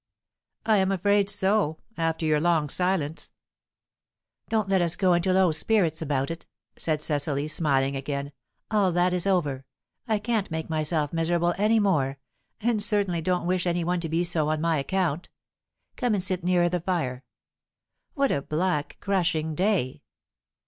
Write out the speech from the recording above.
"I am afraid so, after your long silence." "Don't let us get into low spirits about it," said Cecily, smiling again. "All that is over; I can't make myself miserable any more, and certainly don't wish any one to be so on my account. Come and sit nearer the fire. What a black, crushing day!"